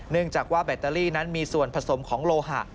เนื่องจากว่าแบตเตอรี่นั้นมีส่วนผสมของโลหะ